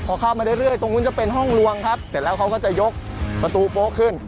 พอเข้ามาเรื่อยตรงนู้นจะเป็นห้องลวงครับเสร็จแล้วเขาก็จะยกประตูโป๊ะขึ้น